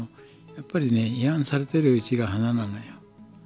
やっぱりね批判されてるうちが花なのよ。